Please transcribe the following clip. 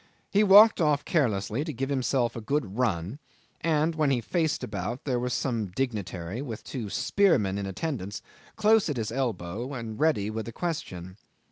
He walked off carelessly to give himself a good run, and when he faced about there was some dignitary, with two spearmen in attendance, close at his elbow ready with a question.